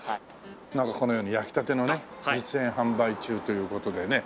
なんかこのように焼きたてのね実演販売中という事でね。